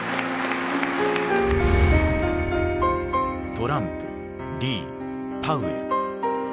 トランプリーパウエル。